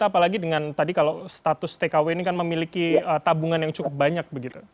apalagi dengan status tkw ini kan memiliki tabungan yang cukup banyak